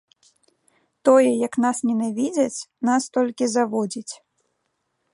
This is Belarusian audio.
Тое, як нас ненавідзяць, нас толькі заводзіць.